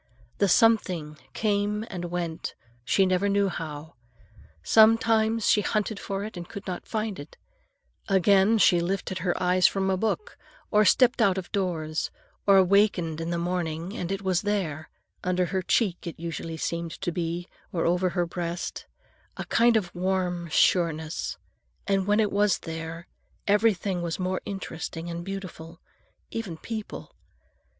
The something came and went, she never knew how. Sometimes she hunted for it and could not find it; again, she lifted her eyes from a book, or stepped out of doors, or wakened in the morning, and it was there,—under her cheek, it usually seemed to be, or over her breast,—a kind of warm sureness. And when it was there, everything was more interesting and beautiful, even people.